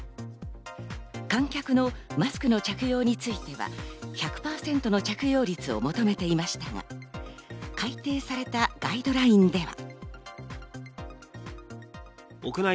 観客のマスクの着用については、１００％の着用率を求めていましたが、改定されたガイドラインでは。